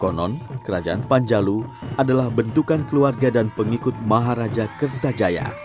konon kerajaan panjalu adalah bentukan keluarga dan pengikut maharaja kertajaya